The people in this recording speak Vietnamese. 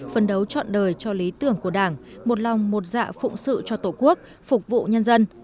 phân đấu chọn đời cho lý tưởng của đảng một lòng một dạ phụng sự cho tổ quốc phục vụ nhân dân